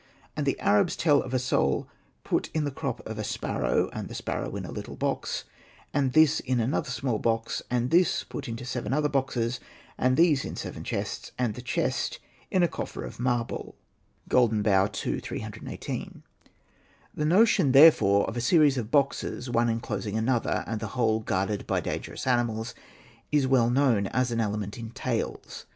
And the Arabs tell of a soul put in the crop of a sparrow, and the sparrow in a little box, and this in another small box, and this put into seven other boxes, and these in seven chests, and the chest in a coffer gf marble (" Golden 10 Hosted by Google 130 SETNA AND THE MAGIC BOOK Bough," ii. 318). The notion, therefore, of a series of boxes, one enclosing another, and the whole guarded by dangerous animals, is well known as an element in tales.